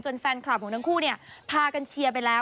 แฟนคลับของทั้งคู่เนี่ยพากันเชียร์ไปแล้ว